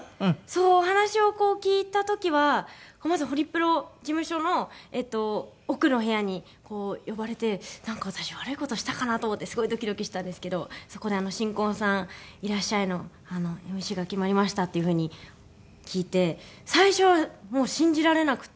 そうお話を聞いた時はまずホリプロ事務所の奥の部屋に呼ばれてなんか私悪い事したかな？と思ってすごいドキドキしたんですけどそこで『新婚さんいらっしゃい！』のＭＣが決まりましたっていう風に聞いて最初はもう信じられなくて。